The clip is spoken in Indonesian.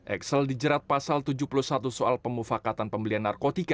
excel dijerat pasal tujuh puluh satu soal pemufakatan pembelian narkotika